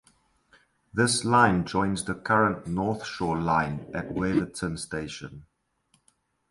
This line joins the current North Shore line at Waverton station.